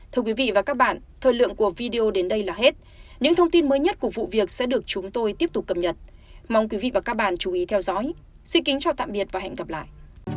thưa quý vị và các bạn thời lượng của video đến đây là hết những thông tin mới nhất của vụ việc sẽ được chúng tôi tiếp tục cập nhật mong quý vị và các bạn chú ý theo dõi xin kính chào tạm biệt và hẹn gặp lại